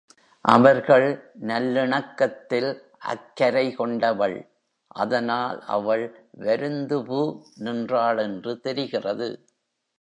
அவர்கள் நல்லிணக்கத்தில் அக்கரை கொண்டவள் அதனால் அவள் வருந்துபு நின்றாள் என்று தெரிகிறது.